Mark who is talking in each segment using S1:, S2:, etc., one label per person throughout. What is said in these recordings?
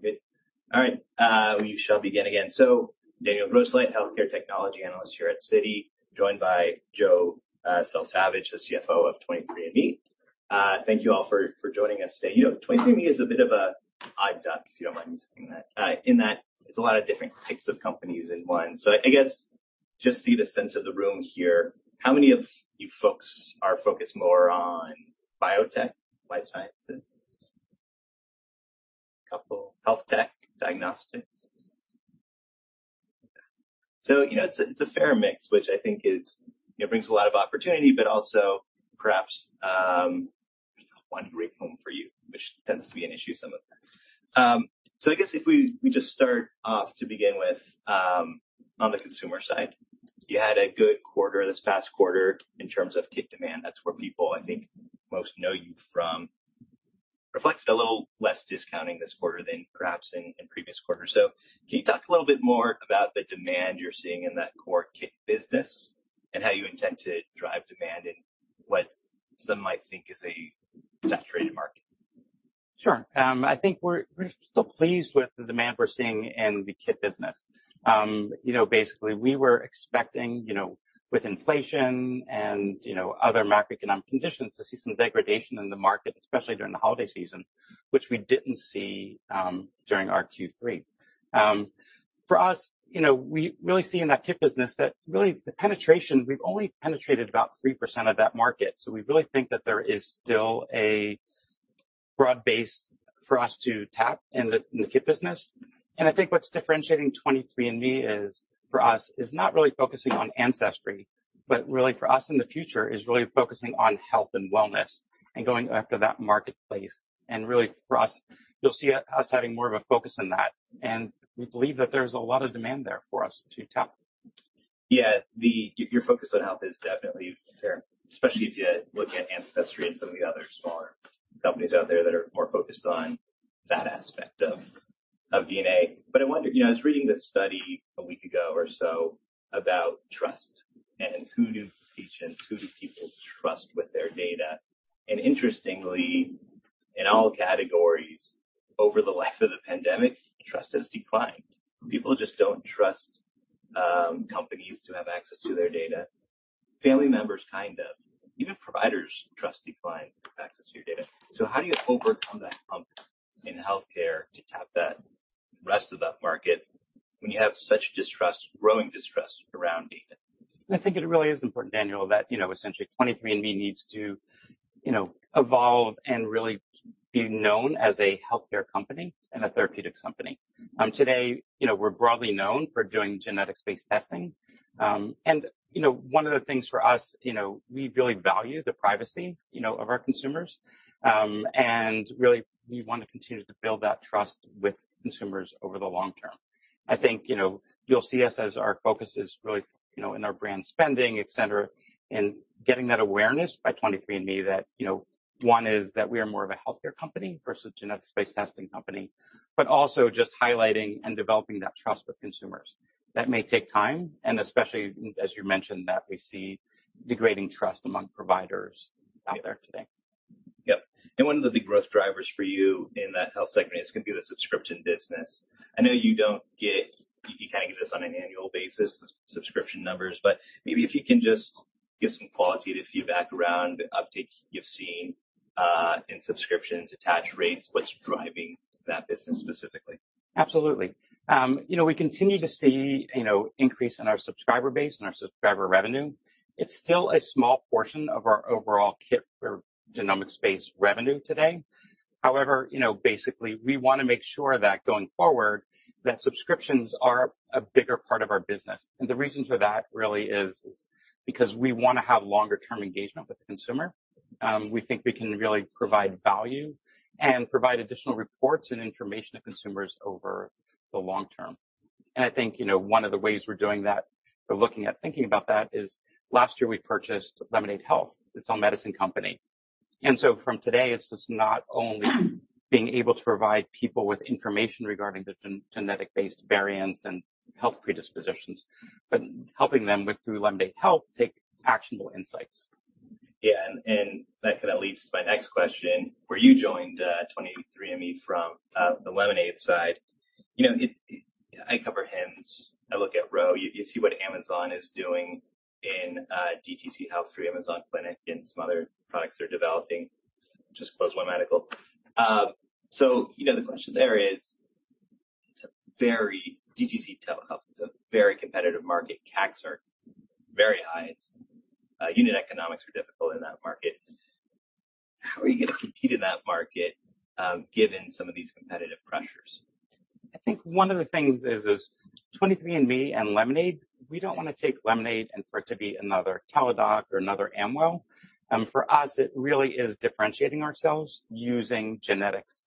S1: Okay. All right. We shall begin again. Daniel Grosslight, healthcare technology analyst here at Citi, joined by Joe Selsavage, the CFO of 23andMe. Thank you all for joining us today. You know, 23andMe is a bit of a odd duck, if you don't mind me saying that. In that it's a lot of different types of companies in one. I guess just to get a sense of the room here, how many of you folks are focused more on biotech, life sciences? Couple. Health tech, diagnostics? You know, it's a fair mix, which I think is, you know, brings a lot of opportunity, but also perhaps, one great home for you, which tends to be an issue some of the time. I guess if we just start off to begin with on the consumer side. You had a good quarter this past quarter in terms of kit demand. That's where people, I think most know you from. Reflected a little less discounting this quarter than perhaps in previous quarters. Can you talk a little bit more about the demand you're seeing in that core kit business and how you intend to drive demand in what some might think is a saturated market?
S2: Sure. I think we're still pleased with the demand we're seeing in the kit business. You know, basically, we were expecting, you know, with inflation and, you know, other macroeconomic conditions to see some degradation in the market, especially during the holiday season, which we didn't see during our Q3. For us, you know, we really see in that kit business that really We've only penetrated about 3% of that market. We really think that there is still a broad base for us to tap in the kit business. I think what's differentiating 23andMe is, for us, is not really focusing on Ancestry, but really for us in the future is really focusing on health and wellness and going after that marketplace. Really for us, you'll see us having more of a focus on that. We believe that there's a lot of demand there for us to tap.
S1: Yeah. Your focus on health is definitely fair, especially if you look at Ancestry and some of the other smaller companies out there that are more focused on that aspect of DNA. I wonder, you know, I was reading this study a week ago or so about trust and who do patients, who do people trust with their data? Interestingly, in all categories over the life of the pandemic, trust has declined. People just don't trust companies to have access to their data. Family members, kind of. Even providers trust declined access to your data. How do you overcome that hump in healthcare to tap that rest of that market when you have such distrust, growing distrust around data?
S2: I think it really is important, Daniel, that, you know, essentially 23andMe needs to, you know, evolve and really be known as a healthcare company and a therapeutic company. Today, you know, we're broadly known for doing genetic-based testing. You know, one of the things for us, you know, we really value the privacy, you know, of our consumers. Really we want to continue to build that trust with consumers over the long term. I think, you know, you'll see us as our focus is really, you know, in our brand spending, et cetera, in getting that awareness by 23andMe that, you know, one is that we are more of a healthcare company versus genetic space testing company. Also just highlighting and developing that trust with consumers. That may take time, and especially as you mentioned, that we see degrading trust among providers out there today.
S1: Yep. One of the big growth drivers for you in that health segment is gonna be the subscription business. I know you can't give us on an annual basis subscription numbers, but maybe if you can just give some qualitative feedback around the uptake you've seen in subscriptions, attach rates, what's driving that business specifically?
S2: Absolutely. You know, we continue to see, you know, increase in our subscriber base and our subscriber revenue. It's still a small portion of our overall kit or genomics-based revenue today. However, you know, basically, we wanna make sure that going forward that subscriptions are a bigger part of our business. The reason for that really is because we wanna have longer term engagement with the consumer. We think we can really provide value and provide additional reports and information to consumers over the long term. I think, you know, one of the ways we're doing that or looking at thinking about that is last year we purchased Lemonaid Health, its own medicine company. From today, it's just not only being able to provide people with information regarding the genetic based variants and health predispositions, but helping them with through Lemonaid Health take actionable insights.
S1: Yeah. That kind of leads to my next question, where you joined 23andMe from the Lemonade side. You know, I cover HIMSS. I look at Ro. You see what Amazon is doing in DTC Health through Amazon Clinic and some other products they're developing, just close my medical. You know, the question there is, DTC telehealth is a very competitive market. CACs are very high. Unit economics are difficult in that market. How are you gonna compete in that market given some of these competitive pressures?
S2: I think one of the things is 23andMe and Lemonaid Health, we don't wanna take Lemonaid Health and for it to be another Teladoc or another Amwell. For us, it really is differentiating ourselves using genetics.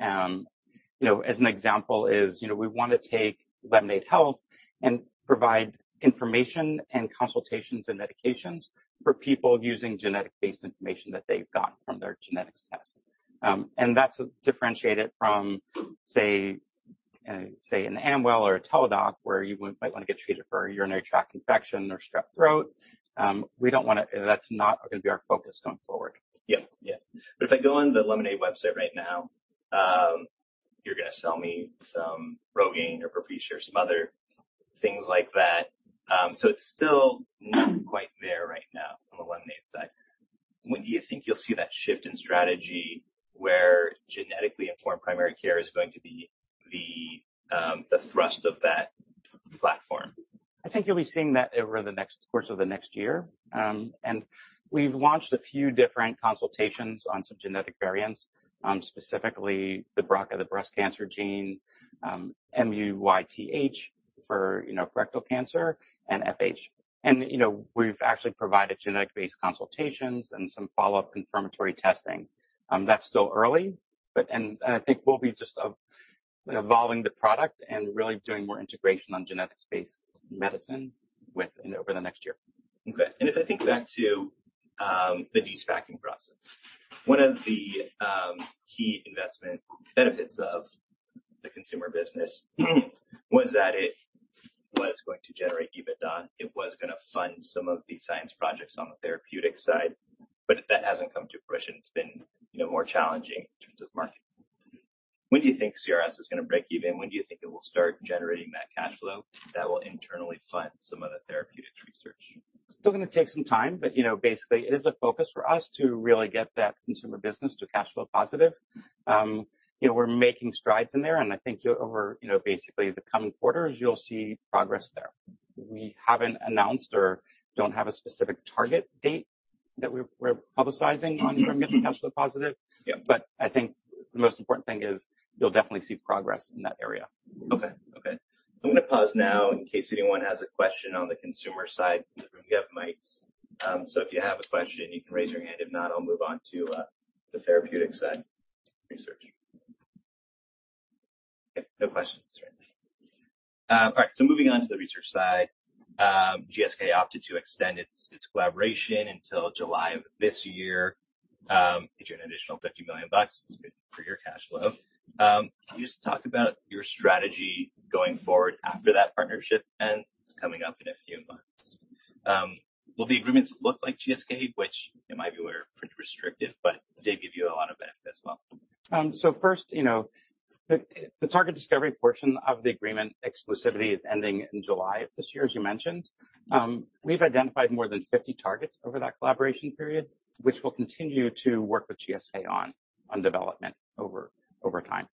S2: You know, as an example is, you know, we want to take Lemonaid Health and provide information and consultations and medications for people using genetic-based information that they've got from their genetics test. And that's differentiated from, say an Amwell or a Teladoc where you might want to get treated for a urinary tract infection or strep throat. That's not gonna be our focus going forward.
S1: Yeah. Yeah. If I go on the Lemonaid Health website right now, you're gonna sell me some ROGAINE or Propecia or some other things like that. It's still not quite there right now on the Lemonaid Health side. When do you think you'll see that shift in strategy where genetically informed primary care is going to be the thrust of that platform?
S2: I think you'll be seeing that over the course of the next year. We've launched a few different consultations on some genetic variants, specifically the BRCA, the breast cancer gene, MUTYH for, you know, colorectal cancer, and FH. You know, we've actually provided genetic-based consultations and some follow-up confirmatory testing. That's still early, and I think we'll be just evolving the product and really doing more integration on genetics-based medicine, you know, over the next year.
S1: Okay. If I think back to the de-SPACing process, one of the key investment benefits of the consumer business was that it was going to generate EBITDA. It was gonna fund some of the science projects on the therapeutic side, but that hasn't come to fruition. It's been, you know, more challenging in terms of market. When do you think CRS is gonna break even? When do you think it will start generating that cash flow that will internally fund some of the therapeutic research?
S2: Still gonna take some time, but, you know, basically it is a focus for us to really get that consumer business to cash flow positive. You know, we're making strides in there, and I think over, you know, basically the coming quarters, you'll see progress there. We haven't announced or don't have a specific target date that we're publicizing on terms of getting cash flow positive.
S1: Yeah.
S2: I think the most important thing is you'll definitely see progress in that area.
S1: Okay. Okay. I'm gonna pause now in case anyone has a question on the consumer side. We have mics. If you have a question, you can raise your hand. If not, I'll move on to the therapeutic side research. Okay. No questions. All right, moving on to the research side. GSK opted to extend its collaboration until July of this year. Get you an additional $50 million. It's good for your cash flow. Can you just talk about your strategy going forward after that partnership ends? It's coming up in a few months. Will the agreements look like GSK, which in my view were pretty restrictive, but they give you a lot of benefit as well?
S2: First, you know, the target discovery portion of the agreement exclusivity is ending in July of this year, as you mentioned. We've identified more than 50 targets over that collaboration period, which we'll continue to work with GSK on development over time.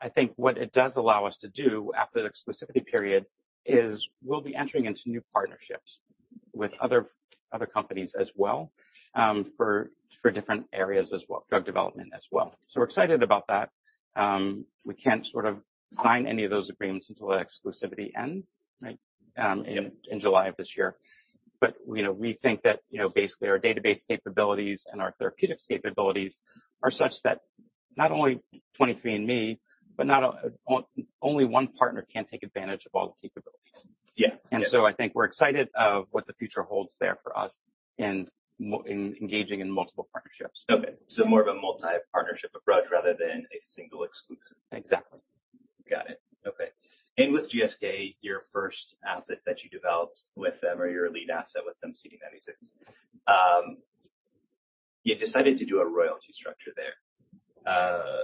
S2: I think what it does allow us to do after the exclusivity period is we'll be entering into new partnerships with other companies as well, for different areas as well, drug development as well. We're excited about that. We can't sort of sign any of those agreements until that exclusivity ends, right, in July of this year. You know, we think that, you know, basically our database capabilities and our therapeutic capabilities are such that not only 23andMe, but not only 1 partner can take advantage of all the capabilities.
S1: Yeah. Yeah.
S2: I think we're excited of what the future holds there for us in engaging in multiple partnerships.
S1: Okay. More of a multi-partnership approach rather than a single exclusive.
S2: Exactly.
S1: Got it. Okay. With GSK, your first asset that you developed with them or your lead asset with them, CD96, you decided to do a royalty structure there.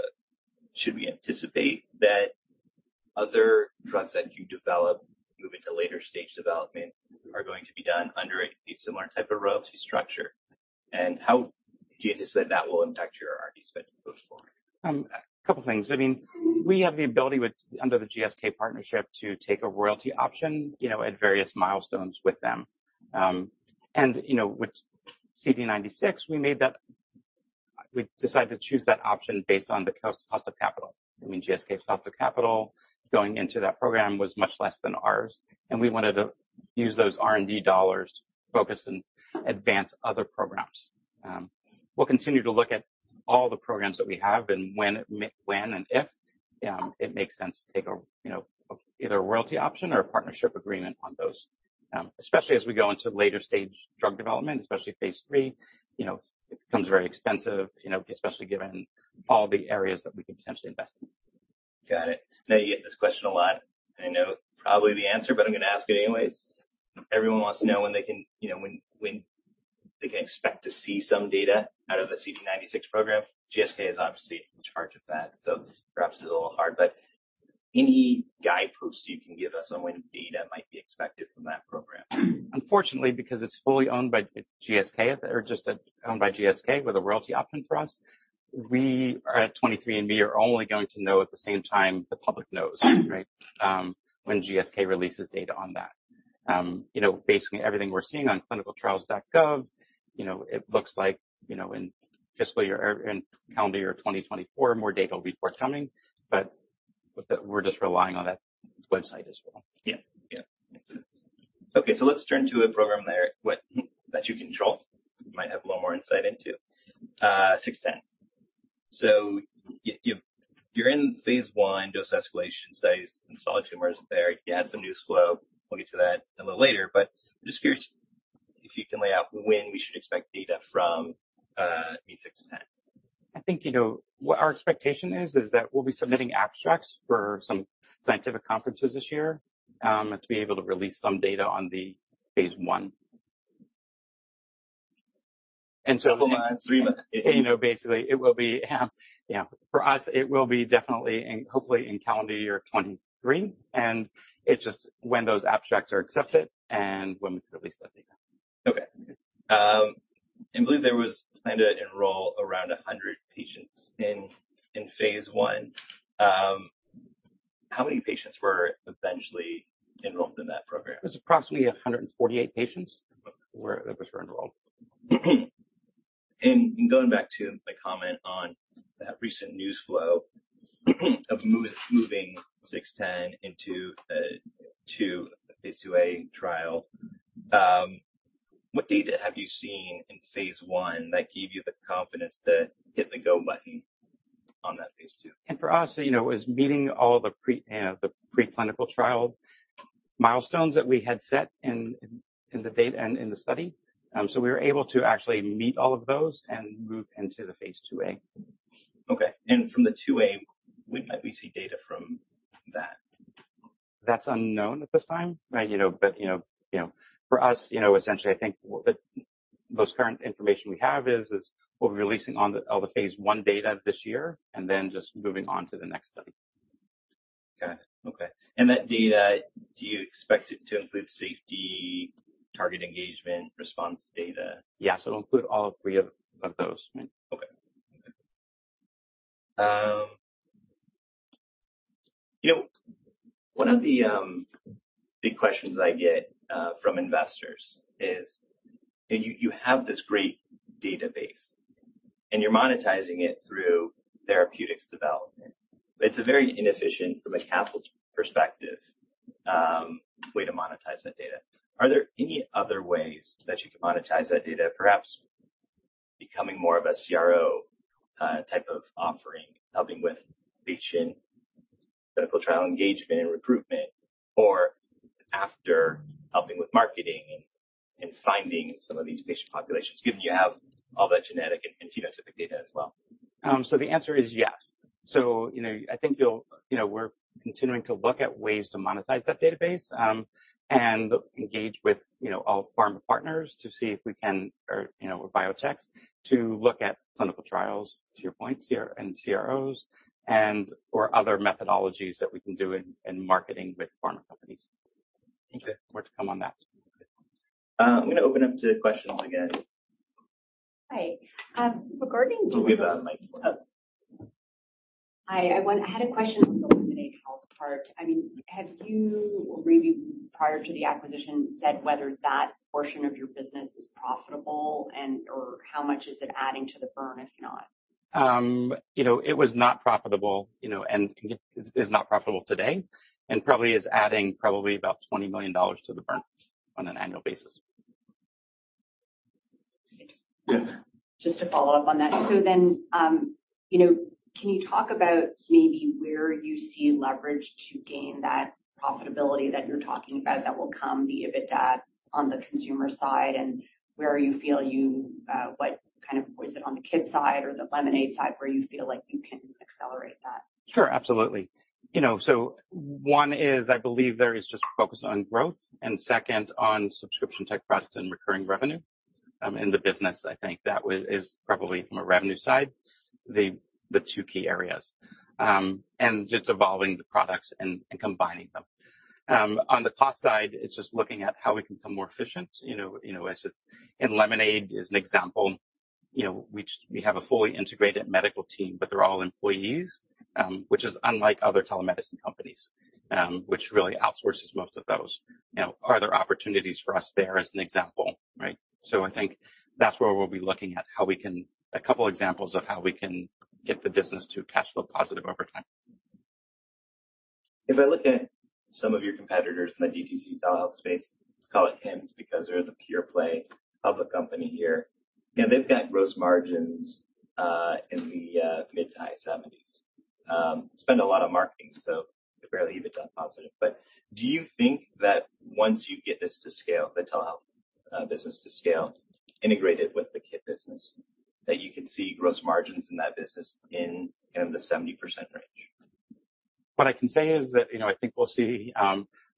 S1: Should we anticipate that other drugs that you develop move into later stage development are going to be done under a similar type of royalty structure? How do you anticipate that will impact your R&D spend going forward?
S2: A couple things. I mean, we have the ability under the GSK partnership to take a royalty option, you know, at various milestones with them. You know, with CD96, we decided to choose that option based on the cost of capital. I mean, GSK's cost of capital going into that program was much less than ours, and we wanted to use those R&D dollars to focus and advance other programs. We'll continue to look at all the programs that we have and when and if, it makes sense to take a, you know, either a royalty option or a partnership agreement on those. Especially as we go into later stage drug development, especially phase III, you know, it becomes very expensive, you know, especially given all the areas that we could potentially invest in.
S1: Got it. I know you get this question a lot. I know probably the answer. I'm gonna ask it anyways. Everyone wants to know when they can, you know, when they can expect to see some data out of the CD96 program. GSK is obviously in charge of that. Perhaps it's a little hard. Any guide posts you can give us on when data might be expected from that program.
S2: Unfortunately, because it's fully owned by GSK or just owned by GSK with a royalty option for us, at 23andMe are only going to know at the same time the public knows, right? When GSK releases data on that. You know, basically everything we're seeing on ClinicalTrials.gov, you know, it looks like, you know, in fiscal year or in calendar year 2024, more data will be forthcoming, but we're just relying on that website as well.
S1: Yeah. Yeah. Makes sense. Let's turn to a program there that you control, might have a little more insight into 23ME-00610. You're in phase I dose escalation studies in solid tumors there. You had some news flow. We'll get to that a little later, but I'm just curious, if you can lay out when we should expect data from 23ME‑00610.
S2: I think, you know, what our expectation is that we'll be submitting abstracts for some scientific conferences this year, to be able to release some data on the Phase I. You know, basically it will be. For us, it will be definitely and hopefully in calendar year 2023, and it's just when those abstracts are accepted and when we could release that data.
S1: I believe there was plan to enroll around 100 patients in phase I. How many patients were eventually enrolled in that program?
S2: It was approximately 148 patients.
S1: That were enrolled. Going back to the comment on that recent news flow of moving six-ten into to a phase IIa trial. What data have you seen in phase I that gave you the confidence to hit the go button on that phase II?
S2: For us, you know, it was meeting all the preclinical trial milestones that we had set in the date and in the study. We were able to actually meet all of those and move into the phase IIa.
S1: Okay. From the Phase IIa, when might we see data from that?
S2: That's unknown at this time. Right. You know, you know, for us, you know, essentially, I think the most current information we have is, we'll be releasing all the phase 1 data this year and then just moving on to the next study.
S1: Okay. Okay. That data, do you expect it to include safety, target engagement, response data?
S2: Yeah. It'll include all three of those.
S1: You know, one of the big questions I get from investors is, you have this great database, and you're monetizing it through therapeutics development. It's a very inefficient from a capital perspective, way to monetize that data. Are there any other ways that you can monetize that data, perhaps becoming more of a CRO type of offering, helping with patient clinical trial engagement and recruitment, or after helping with marketing and finding some of these patient populations, given you have all that genetic and phenotypic data as well?
S2: The answer is yes. We're continuing to look at ways to monetize that database, and engage with all pharma partners to see if we can or biotechs, to look at clinical trials, to your point here, and CROs and/or other methodologies that we can do in marketing with pharma companies.
S1: Okay.
S2: More to come on that.
S1: I'm gonna open up to questions, I guess.
S3: Hi.
S1: Can we have the mic?
S3: Hi. I had a question on the Lemonaid Health part. I mean, have you, or maybe prior to the acquisition, said whether that portion of your business is profitable and/or how much is it adding to the burn, if not?
S2: You know, it was not profitable, you know, and it is not profitable today, and probably is adding probably about $20 million to the burn on an annual basis.
S3: Thanks.
S1: Yeah.
S3: Just to follow up on that. You know, can you talk about maybe where you see leverage to gain that profitability that you're talking about that will come the EBITDA on the consumer side and where you feel you was it on the kids side or the Lemonade side where you feel like you can accelerate that?
S2: Sure. Absolutely. You know, 1 is, I believe there is just focus on growth, and 2 on subscription type product and recurring revenue in the business. I think that is probably from a revenue side, the 2 key areas. It's evolving the products and combining them. On the cost side, it's just looking at how we can become more efficient. You know, it's just In Lemonaid Health as an example, you know, we have a fully integrated medical team, but they're all employees, which is unlike other telemedicine companies, which really outsources most of those. You know, are there opportunities for us there as an example, right? I think that's where we'll be looking at a couple examples of how we can get the business to cash flow positive over time.
S1: If I look at some of your competitors in the DTC telehealth space, let's call it HIMSS, because they're the pure play public company here. You know, they've got gross margins in the mid to high 70s. Spend a lot on marketing, so they're barely even done positive. Do you think that once you get this to scale, the telehealth business to scale integrated with the kit business, that you could see gross margins in that business in, kind of the 70% range?
S2: What I can say is that, you know, I think we'll see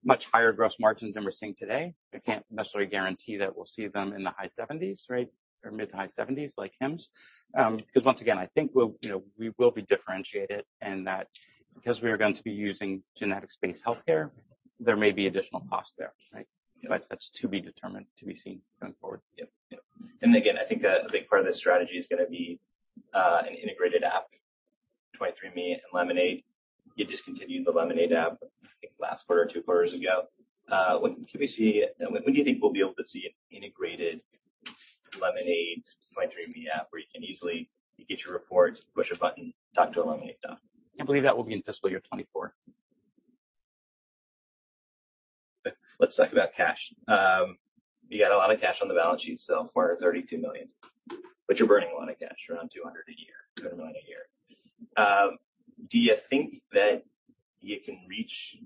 S2: much higher gross margins than we're seeing today. I can't necessarily guarantee that we'll see them in the high 70s, right, or mid-to-high 70s like HIMSS. 'Cause once again, I think we'll, you know, we will be differentiated and that because we are going to be using genetic space healthcare, there may be additional costs there, right? That's to be determined, to be seen going forward.
S1: Yep. Yep. Again, I think a big part of this strategy is gonna be an integrated app, 23andMe and Lemonaid. You discontinued the Lemonaid app, I think last quarter or 2 quarters ago. When do you think we'll be able to see an integrated Lemonaid 23andMe app where you can easily get your reports, push a button, talk to a Lemonaid doc?
S2: I believe that will be in fiscal year 2024.
S1: Let's talk about cash. You got a lot of cash on the balance sheet still, $432 million. You're burning a lot of cash, around $200 a year, $2 million a year. Do you think that you can reach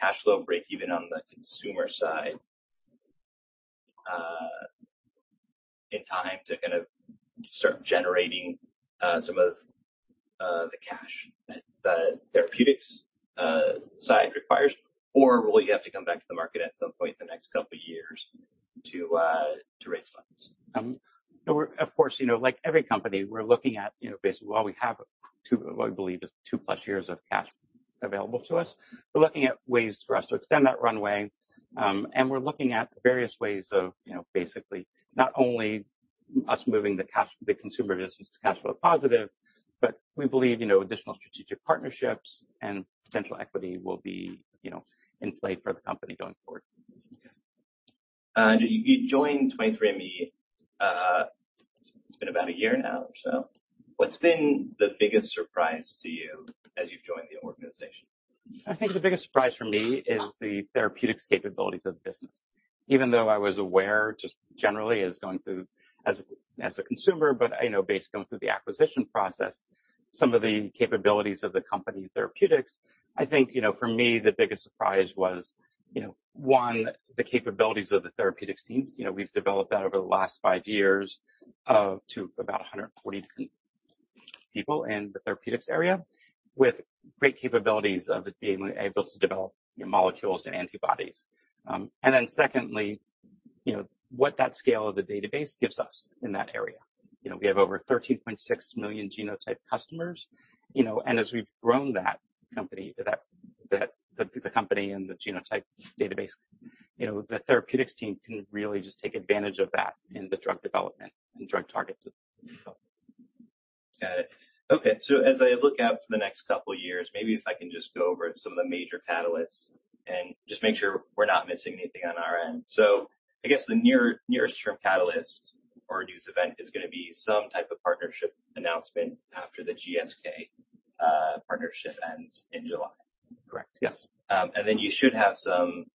S1: cash flow break even on the consumer side, in time to kind of start generating, some of the cash that the therapeutics side requires? Will you have to come back to the market at some point in the next couple years to raise funds?
S2: Of course, you know, like every company we're looking at, you know, basically while we have 2+ years of cash available to us, we're looking at ways for us to extend that runway. We're looking at various ways of, you know, basically not only us moving the consumer business to cash flow positive, but we believe, you know, additional strategic partnerships and potential equity will be, you know, in play for the company going forward.
S1: You joined 23andMe, it's been about a year now or so. What's been the biggest surprise to you as you've joined the organization?
S2: The biggest surprise for me is the therapeutics capabilities of the business. Even though I was aware just generally as going through as a consumer, I know based going through the acquisition process, some of the capabilities of the company therapeutics. I think, you know, for me, the biggest surprise was, you know, one, the capabilities of the therapeutics team. You know, we've developed that over the last 5 years, to about 140 people in the therapeutics area with great capabilities of being able to develop new molecules and antibodies. Secondly, you know, what that scale of the database gives us in that area. You know, we have over 13.6 million genotype customers, you know, as we've grown that. The company and the genotype database, you know, the therapeutics team can really just take advantage of that in the drug development and drug targets as well.
S1: Got it. Okay. As I look out for the next couple years, maybe if I can just go over some of the major catalysts and just make sure we're not missing anything on our end. I guess the nearest term catalyst or news event is gonna be some type of partnership announcement after the GSK partnership ends in July.
S2: Correct. Yes.
S1: You should have some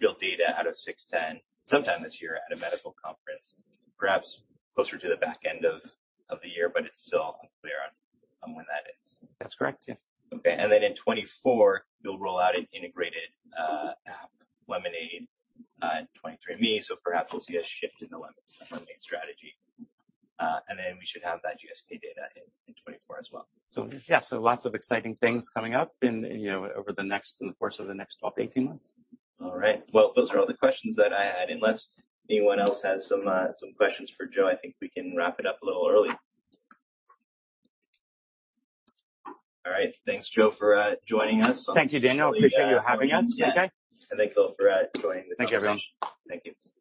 S1: real data out of 610 sometime this year at a medical conference, perhaps closer to the back end of the year, but it's still unclear on when that is.
S2: That's correct, yes.
S1: Okay. In 2024 you'll roll out an integrated app, Lemonaid Health, 23andMe. Perhaps we'll see a shift in the Lemonaid Health strategy. Then we should have that GSK data in 2024 as well.
S2: Yeah. Lots of exciting things coming up in, you know, in the course of the next 12-18 months.
S1: All right. Well, those are all the questions that I had. Unless anyone else has some questions for Joe, I think we can wrap it up a little early. All right. Thanks, Joe, for joining us.
S2: Thank you, Daniel. Appreciate you having us today.
S1: Yeah. Thanks all for joining the conversation.
S2: Thank you, everyone.
S1: Thank you.